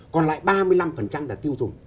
còn lại ba mươi năm là tiêu dùng